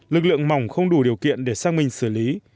lực lượng mỏng không đủ điều kiện để xác minh xử lý